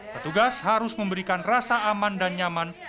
petugas harus memberikan rasa aman dan nyaman